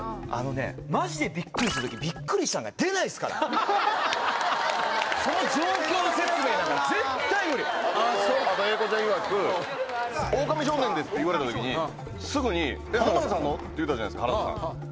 まじでびっくりしたとき「びっくりした」が出ないっすからその状況説明なんか絶対ムリあと英孝ちゃんいわく「オオカミ少年で」って言われたときにすぐに「浜田さんの？」って言うたじゃないですか